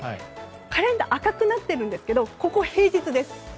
カレンダー赤くなっているんですけどここ平日です。